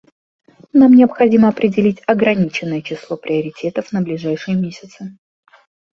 Нам необходимо определить ограниченное число приоритетов на ближайшие месяцы.